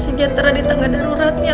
sejatera di tangga daruratnya